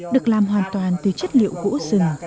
được làm hoàn toàn từ chất liệu gỗ rừng